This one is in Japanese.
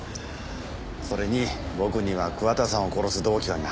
それに僕には桑田さんを殺す動機はないですよ